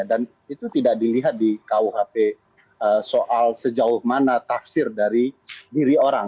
dan itu tidak dilihat di kuhp soal sejauh mana tafsir dari diri orang